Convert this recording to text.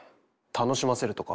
楽しませるとか？